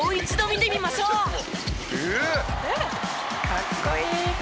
かっこいい！」